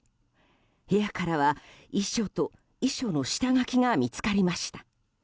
部屋からは遺書と遺書の下書きが見つかりました。